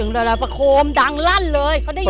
ดาราประโคมดังลั่นเลยเขาได้ยิน